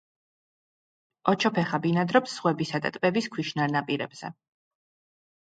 ოჩოფეხა ბინადრობს ზღვებისა და ტბების ქვიშნარ ნაპირებზე.